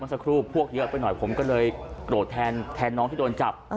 สักครู่พวกเยอะไปหน่อยผมก็เลยโกรธแทนน้องที่โดนจับ